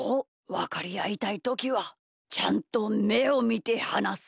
わかりあいたいときはちゃんとめをみてはなす。